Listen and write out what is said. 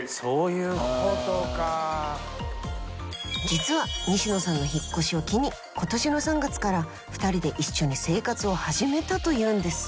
実は西野さんの引っ越しを機に今年の３月から２人で一緒に生活を始めたというんです！